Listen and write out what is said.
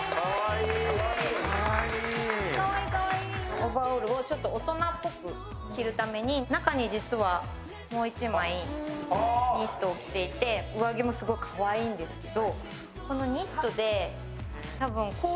オーバーオールをちょっと大人っぽく着るために中に実はもう一枚ニットを着ていて、上着もすごいかわいいんですけど。